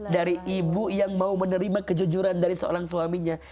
dari ibu yang mau menerima kejujuran dari seorang suaminya